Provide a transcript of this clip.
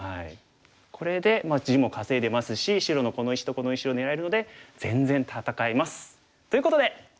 これで地も稼いでますし白のこの石とこの石を狙えるので全然戦えます！ということで。